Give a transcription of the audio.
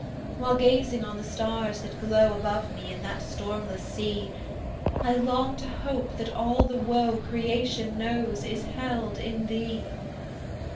While gazing on the stars that glow Above me, in that stormless sea, I long to hope that all the woe Creation knows, is held in thee!